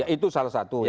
ya itu salah satu